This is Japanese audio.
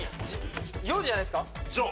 「ヨ」じゃないですか。